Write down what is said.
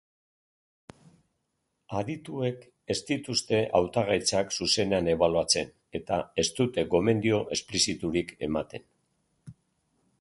Adituek ez dituzte hautagaitzak zuzenean ebaluatzen eta ez dute gomendio espliziturik ematen.